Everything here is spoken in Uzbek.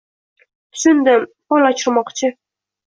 Tushundim, fol ochirmoqchi.